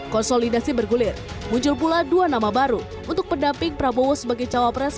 konsolidasi bergulir muncul pula dua nama baru untuk pendamping prabowo sebagai cawapres